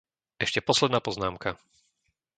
Ešte posledná poznámka.